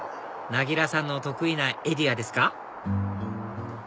なぎらさんの得意なエリアですか？